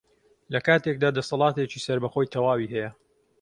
لەکاتێکدا دەسەڵاتێکی سەربەخۆی تەواوی هەیە